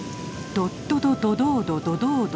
「どっどどどどうどどどうど